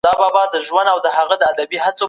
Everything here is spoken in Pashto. نتیجې د څیړنې مهم عنصر دی.